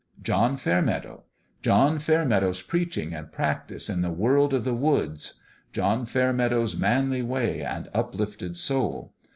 John Fairmeadow John Fairmeadow's preach ing and practice in the world of the woods John Fairmeadow's manly way and uplifted soul.